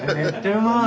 うまい！